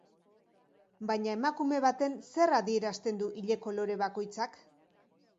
Baina emakume baten zer adierazten du ile kolore bakoitzak?